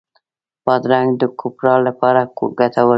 بادرنګ د کوپرا لپاره ګټور دی.